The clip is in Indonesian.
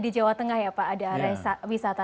di jawa tengah ya pak ada area wisata